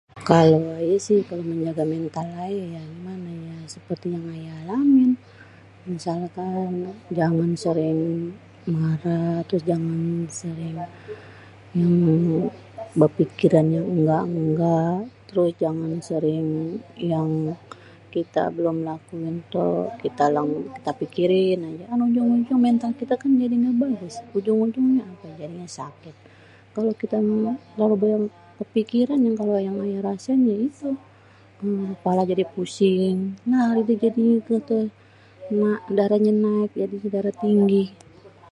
Kalo ayè si kalo menjaga mental ayè ya gimanè ya, seperti yang ayè alamin misalkan jangan sering marah, terus jangan sering yang berfikiran yang engga-engga, terus jangan sering yang kita belom lakuin kita fikirin aje yaaa ujung-ujungnyè mental kitè jadi gak bagus. ujung-ujungnyè apè, ujung-ujungnyè jadi sakit, kalau kitè ga adè fikiran kalo yang ayè rasv ya itu pala jadi pusing jadinyè darahnyè naik jadi darah tinggi.